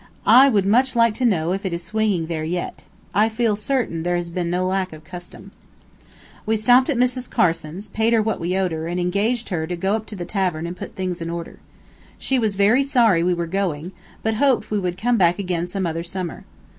I would much like to know if it is swinging there yet. I feel certain there has been no lack of custom. We stopped at Mrs. Carson's, paid her what we owed her, and engaged her to go up to the tavern and put things in order. She was very sorry we were going, but hoped we would come back again some other summer.